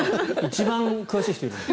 一番詳しい人がいるので。